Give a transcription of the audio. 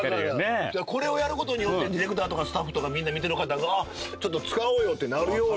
これをやることによってディレクターとかスタッフとかみんな見てる方がちょっと使おうよってなるように。